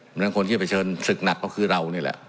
ครั้งนั้นคนที่ไปเชิงสธิกแล้วนะฮะคือเรานี้แหละ